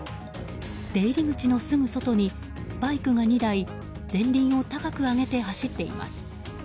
出入り口のすぐ外にバイクが２台前輪を高く上げて走っています。